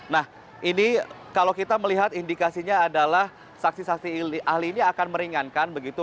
nah ini kalau kita melihat indikasinya adalah saksi saksi ahli ini akan meringankan begitu